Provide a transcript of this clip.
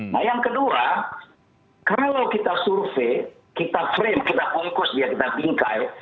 nah yang kedua kalau kita survei kita frame kita bungkus biar kita bingkai